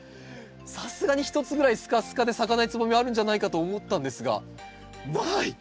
さすがに一つぐらいスカスカで咲かないつぼみあるんじゃないかと思ったんですがない。